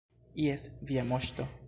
Jes, Via Moŝto.